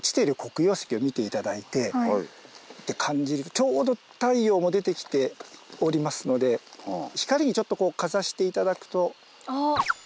ちょうど太陽も出てきておりますので光にちょっとかざして頂くと。